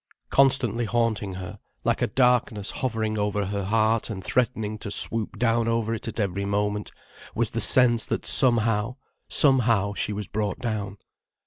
Constantly haunting her, like a darkness hovering over her heart and threatening to swoop down over it at every moment, was the sense that somehow, somehow she was brought down.